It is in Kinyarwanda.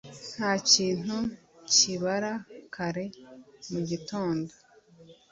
ntakintu kibara kare mugitondo